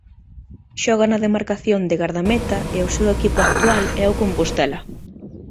Xoga na demarcación de gardameta e o seu equipo actual é o Compostela.